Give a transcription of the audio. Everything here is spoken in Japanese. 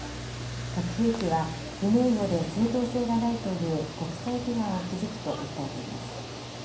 核兵器は不名誉で、正当性がないという国際規範を築くと訴えています。